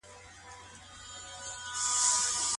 هیڅوک حق نلري چي د بل چا حق غصب کړي.